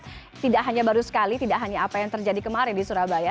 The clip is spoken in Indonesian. karena tidak hanya baru sekali tidak hanya apa yang terjadi kemarin di surabaya